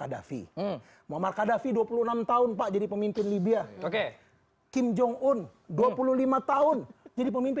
kadafi muhammad kadafi dua puluh enam tahun pak jadi pemimpin libya oke kim jong un dua puluh lima tahun jadi pemimpin